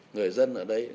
người dân ở đây